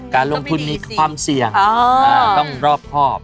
การลงทุนมีความเสี่ยงต้องรอบครอบ